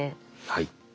はい。